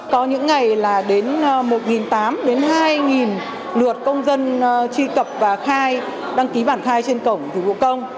có những ngày là đến một tám trăm linh đến hai lượt công dân tri cập và khai đăng ký bản khai trên cổng dịch vụ công